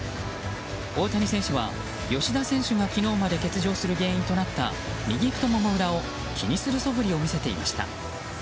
大谷選手は吉田選手が昨日まで欠場する原因となった右太もも裏を気にするそぶりを見せていました。